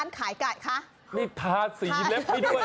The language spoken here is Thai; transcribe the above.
นี่ทาสีเล็บด้วย